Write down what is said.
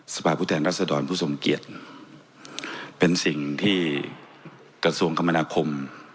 สภาพุทธแห่งรัศดรผู้สมเกียจเป็นสิ่งที่กระทรวงคมธรรมนาคม